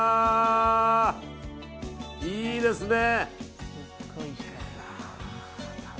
いいですね。